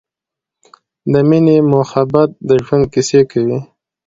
د مینې مخبت د ژوند کیسې کوی